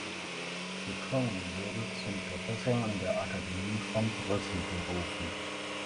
De Coene wurde zum Professor an der Akademie von Brüssel berufen.